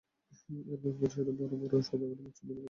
এর পূর্বপুরুষেরা বড়ো বড়ো সওদাগরের মুচ্ছুদ্দিগিরি করে এসেছে।